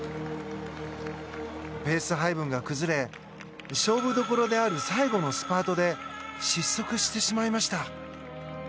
ペース配分が崩れ勝負どころである最後のスパートで失速してしまいました。